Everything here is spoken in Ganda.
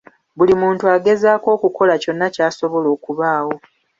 Buli muntu agezaako okukola kyonna ky'asobola okubaawo.